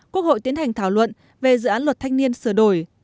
quốc hội tiến hành thảo luận về dự án luật thanh niên sửa đổi